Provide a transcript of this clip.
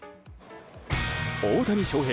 大谷翔平